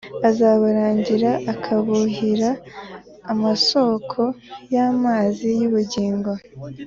azabaragira akabuhira amasōko y’amazi y’ubugingo,